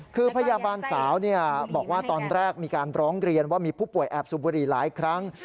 คือพยาบาลสาวบอกว่าตอนแรกมีการร้องเรียนว่ามีผู้ป่วยแอบสูบบุหรี่หลายครั้ง